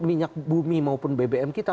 minyak bumi maupun bbm kita